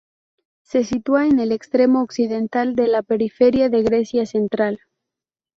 Se sitúa en el extremo occidental de la periferia de Grecia Central.